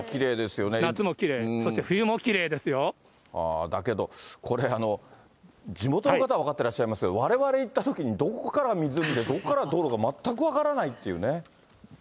夏もきれい、そして冬もきれだけど、これ、地元の方は分かってらっしゃいますけど、われわれ行ったときに、どこから湖で、どこから道路か全く分からないっていうね。